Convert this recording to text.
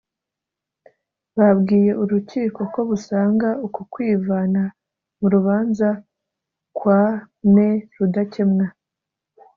Bwabwiye urukiko ko busanga uku kwivana mu rubanza kwa Me Rudakemwa